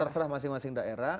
terserah masing masing daerah